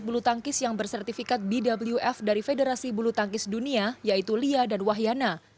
ada satu dari beliau yang bersertifikat bwf dari federasi bulutangkis dunia yaitu lya dan wahyana